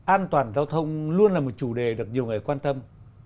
an toàn giao thông luôn là một chủ đề được nhiều người quan tâm